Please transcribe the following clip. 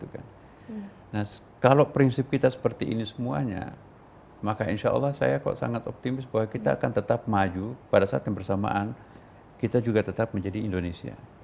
kalau prinsip kita seperti ini semuanya maka insya allah saya kok sangat optimis bahwa kita akan tetap maju pada saat yang bersamaan kita juga tetap menjadi indonesia